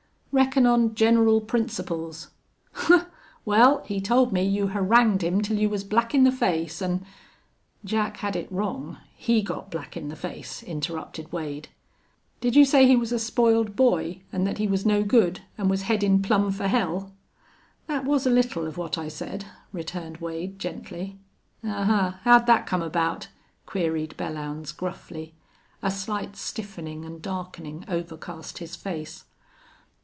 "Reckon on general principles." "Humph! Wal, he told me you harangued him till you was black in the face, an' " "Jack had it wrong. He got black in the face," interrupted Wade. "Did you say he was a spoiled boy an' thet he was no good an' was headin' plumb fer hell?" "That was a little of what I said," returned Wade, gently. "Ahuh! How'd thet come about?" queried Belllounds, gruffly. A slight stiffening and darkening overcast his face.